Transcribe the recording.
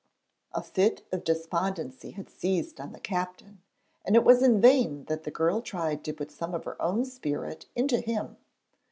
A fit of despondency had seized on the captain, and it was in vain that the girl tried to put some of her own spirit into him.